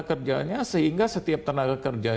kerjanya sehingga setiap tenaga kerja